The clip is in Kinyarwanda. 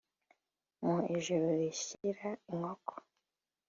mu ijoro rishyira inkoko